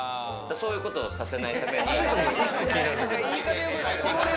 そういうことをさせないために。